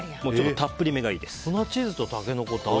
たっぷりめがいいですよ。